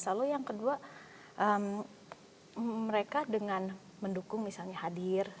lalu yang kedua mereka dengan mendukung misalnya hadir